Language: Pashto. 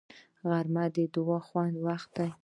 غرمه د دعا د خوند وخت دی